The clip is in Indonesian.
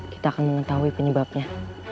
kita akan mengetahui penyebabnya